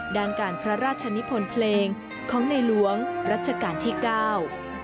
ด้านการพระราชนิพลเพลงของในหลวงรัชกาลที่เก้า